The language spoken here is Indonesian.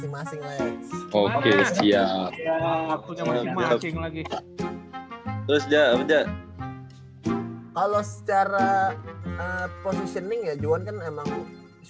dia sudah cukup membuktikan lah di tracks di asean games